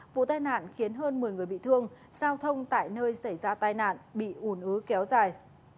vụ tai nạn khiến hơn một mươi người bị thương giao thông tại nơi xảy ra tai nạn bị ủn ứ kéo dài